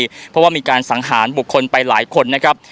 เพราะว่ามีการสังหารบุคคลไปหลายคนนะครับ